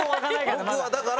僕はだから。